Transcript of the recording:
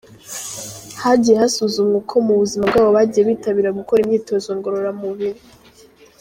Hagiye hasuzumwa uko mu buzima bwabo bagiye bitabira gukora imyitozo ngororamubiri.